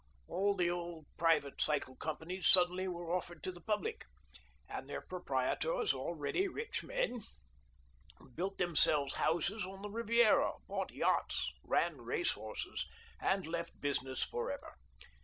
All the old private cycle companies suddenly were offered to the public, and their proprietors, already rich men, built themselves houses on the Kiviera, bought yachts, ran race horses, and left business for ever.